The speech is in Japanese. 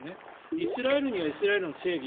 イスラエルにはイスラエルの正義